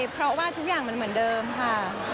เพราะว่าทุกอย่างมันเหมือนเดิมค่ะ